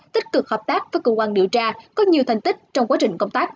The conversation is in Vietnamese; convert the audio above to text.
tích cực hợp tác với cơ quan điều tra có nhiều thành tích trong quá trình công tác